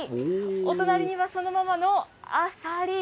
お隣にはそのままのあさり。